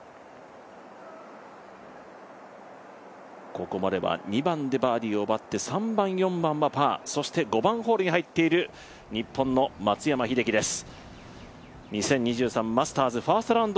ここまでは２番でバーディーを奪って３番、４番はパーそして５番ホールに入っている日本の松山英樹です。